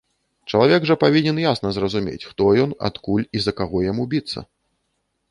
Чалавек жа павінен ясна зразумець, хто ён, адкуль і за каго яму біцца!